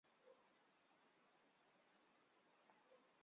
siniqachawmi kuchikuna armakuyan.